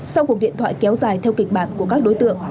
sau cuộc điện thoại kéo dài theo kịch bản của các đối tượng